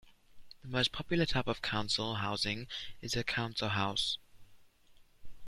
The most popular type of council housing is a council house